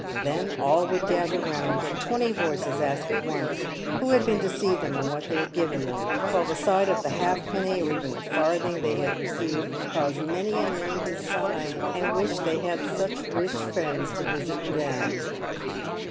Then all would gather round, and twenty voices ask at once, " Who had been to see them, and what they had given them ;" while the sight of the halfpenny or even the farthing they had received, would cause many and many to sigh, and wish they had such rich friends to visit them.